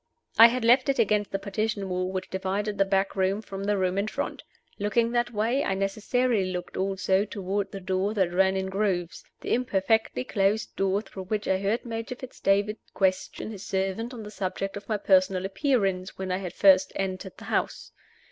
I had left it against the partition wall which divided the back room from the room in front. Looking that way, I necessarily looked also toward the door that ran in grooves the imperfectly closed door through which I heard Major Fitz David question his servant on the subject of my personal appearance when I first entered the house.